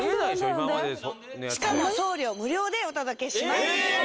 今まででしかも送料無料でお届けしますええ！